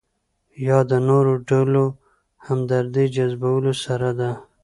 یا د نورو ډلو همدردۍ جذبولو سره ده.